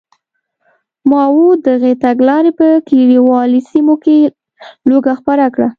ماوو دغې تګلارې په کلیوالي سیمو کې لوږه خپره کړه.